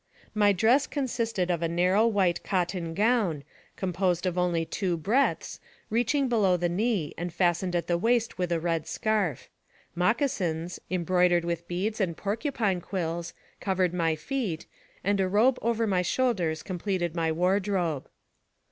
My dress consisted of a narrow white cotton gown, conposed of only two breadths, reaching below the knee, and fastened at the waist with a red scarf; moc casins, embroidered with beads and porcupine quills, covered my feet, and a robe over my shoulders com pleted my wardrobe.